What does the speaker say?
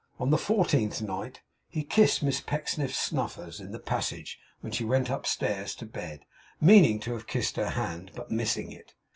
On the fourteenth night, he kissed Miss Pecksniff's snuffers, in the passage, when she went upstairs to bed; meaning to have kissed her hand, but missing it.